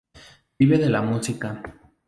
Vive de la música.